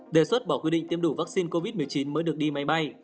đề xuất bỏ quy định tiêm đủ vaccine covid một mươi chín mới được đi máy bay